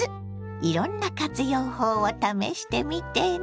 いろんな活用法を試してみてね。